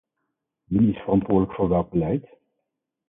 Wie is verantwoordelijk voor welk beleid?